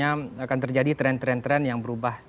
akan terjadi tren tren yang berubah